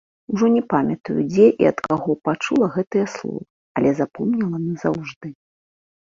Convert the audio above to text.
Ужо не памятаю, дзе і ад каго пачула гэтыя словы, але запомніла назаўжды.